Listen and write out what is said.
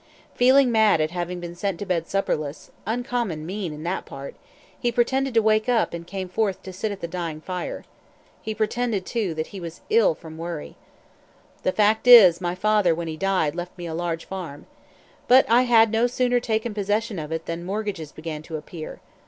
Feeling mad at having been sent to bed supperless uncommon mean in that part he pretended to wake up and came forth to sit at the dying fire. He pretended, too, that he was ill from worry. "The fact is, my father, when he died, left me a large farm. But I had no sooner taken possession of it than mortgages began to appear.